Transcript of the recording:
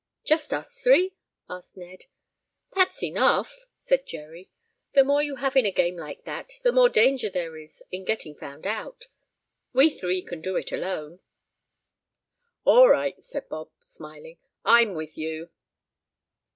"Just us three?" asked Ned. "That's enough," said Jerry. "The more you have in a game like that, the more danger there is in getting found out. We three can do it alone." "All right," said Bob, smiling. "I'm with you."